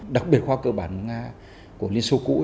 đặc biệt khoa cơ bản nga của liên xô cũ